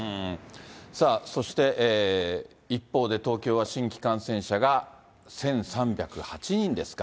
さあそして一方で、東京は新規感染者が１３０８人ですか。